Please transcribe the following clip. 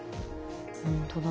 ほんとだ。